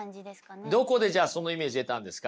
どこでじゃあそのイメージ得たんですか？